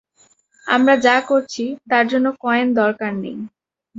আমরা যা করছি, তার জন্য কয়েন দরকার নেই।